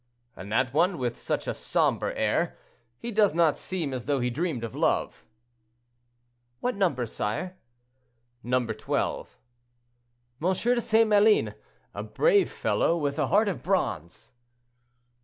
"And that one, with such a somber air; he does not seem as though he dreamed of love." "What number, sire?" "Number 12." "M. de St. Maline, a brave fellow, with a heart of bronze."